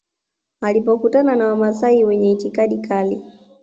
Alipokutana na wanasiasa wenye itikadi kali